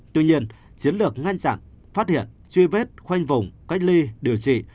tuy nhiên chiến lược ngăn chặn phát hiện truy vết khoanh vùng cách ly điều trị